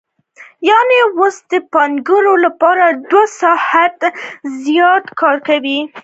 یانې اوس د پانګوال لپاره دوه ساعته زیات کار کوي